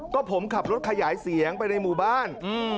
ก็ผมขับรถขยายเสียงไปในหมู่บ้าน